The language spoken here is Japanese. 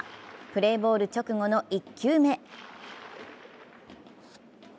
プレーボール直後の１球目。